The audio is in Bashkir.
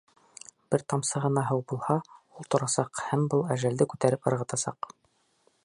Бер тамсы ғына һыу булһа, ул торасаҡ һәм был әжәлде күтәреп ырғытасаҡ.